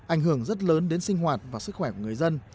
ảnh hưởng rất lớn đến sinh hoạt và sức khỏe của người dân